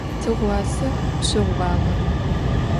Tığuase pşeğuağe.